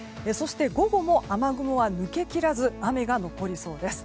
午後も雨雲は抜けきらず雨が残りそうです。